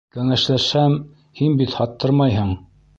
Кәңәшләшһәм, һин бит һаттырмайһың.